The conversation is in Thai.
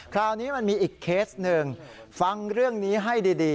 คราวนี้มันมีอีกเคสหนึ่งฟังเรื่องนี้ให้ดี